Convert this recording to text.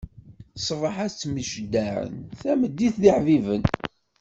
Ṣṣbeḥ ad mjeddaɛen, tameddit d iḥbiben.